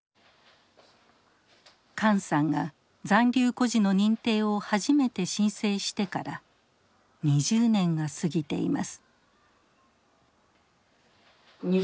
管さんが残留孤児の認定を初めて申請してから２０年が過ぎています。